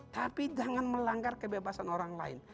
tapi jangan melanggar kebebasan orang lain